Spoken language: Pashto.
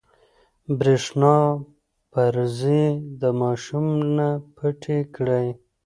برېښنا پريزې د ماشوم نه پټې کړئ.